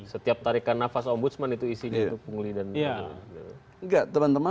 setiap tarikan nafas ombudsman itu isinya itu pungli dan